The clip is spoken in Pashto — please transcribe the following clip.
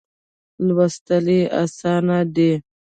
لوستل یې آسانه دي.